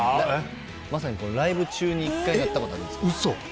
まさにライブ中に１回なったことあるんですけど。